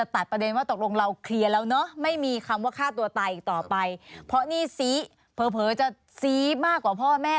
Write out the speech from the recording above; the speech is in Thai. แล้วเนอะไม่มีคำว่าฆ่าตัวตายอีกต่อไปเพราะนี่สีเผอเผอจะสีมากกว่าพ่อแม่